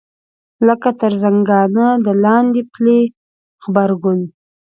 لکه تر زنګانه د لاندې پلې غبرګون.